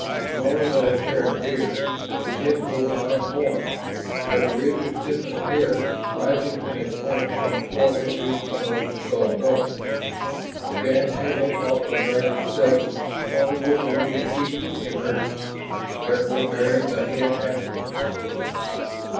Smaller than a Terran deer, its head bore, not horns, but a ridge of stiffened hair rising in a point some twelve inches about the skull dome. Shann haggled off some ragged steaks while the wolverines feasted in earnest, carefully burying the head afterward.